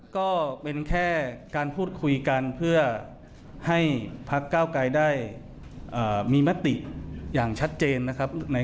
ก็เป็นแค่การพูดคุยกันเพื่อให้พักเก้าไกรได้มีมติอย่างชัดเจนนะครับ